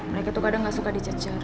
mereka tuh kadang gak suka dicecar